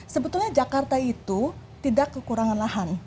sebetulnya jakarta itu tidak kekurangan lahan